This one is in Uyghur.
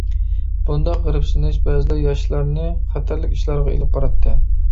بۇنداق غېرىبسىنىش بەزىدە ياشلارنى خەتەرلىك ئىشلارغا ئېلىپ باراتتى.